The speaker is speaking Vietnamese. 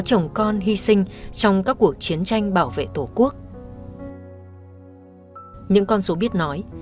chồng con hy sinh trong các cuộc chiến tranh bảo vệ tổ quốc những con số biết nói